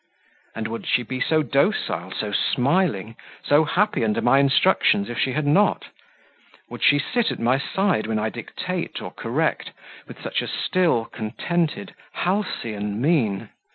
And would she be so docile, so smiling, so happy under my instructions if she had not? would she sit at my side when I dictate or correct, with such a still, contented, halcyon mien?"